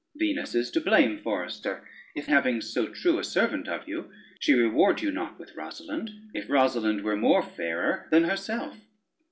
"Venus is to blame, forester, if having so true a servant of you, she reward you not with Rosalynde, if Rosalynde were more fairer than herself.